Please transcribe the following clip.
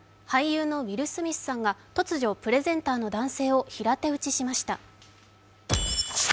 俳優のウィル・スミスさんが突如プレゼンターの男性を平手打ちしました。